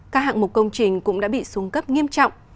các hạng mục công trình cũng đã bị xuống cấp nghiêm trọng